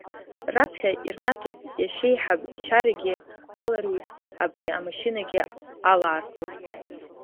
Раԥхьа ирнаҭаз иашьеиҳаб ичарагьы аларуит абри амашьынагьы алаархәеит.